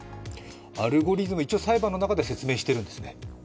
アルゴリズム、一応裁判の中では説明しているんですね。